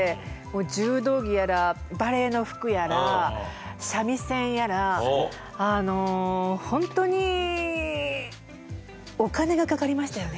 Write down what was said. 柔道着やらバレエの服やら三味線やらほんとにお金がかかりましたよね。